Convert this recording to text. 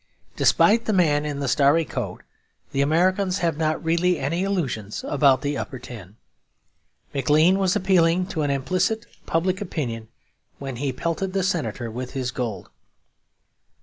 Despite the man in the starry coat, the Americans have not really any illusions about the Upper Ten. McLean was appealing to an implicit public opinion when he pelted the Senator with his gold.